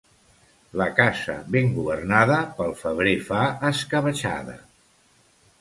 La casa ben governada pel febrer fa escabetxada.